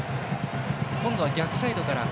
今度は逆サイドから。